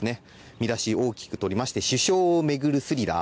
見出し大きくとりまして首相をめぐるスリラー。